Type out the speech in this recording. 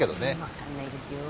分かんないですよ。